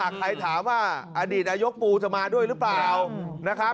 ใครถามว่าอดีตอายกปู่จะมาด้วยหรือเปล่า